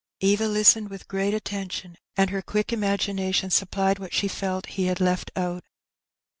Eva listened with great attention, and her quick ima gination supplied what she felt he had left out.